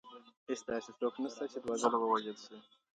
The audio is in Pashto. هیڅ داسې څوک نسته چي دوه ځله ووژل سي.